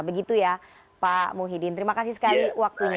begitu ya pak muhyiddin terima kasih sekali waktunya